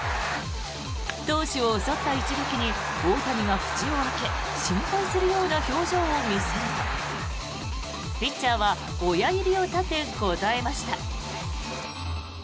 投手を襲った一撃に大谷が口を開け心配するような表情を見せるとピッチャーは親指を立て応えました。